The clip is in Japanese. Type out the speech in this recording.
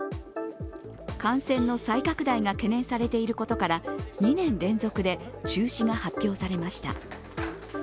感染の再拡大が懸念されていることから、２年連続で中止が発表されました。